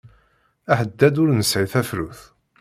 Aḥeddad ur nesɛi tafrut!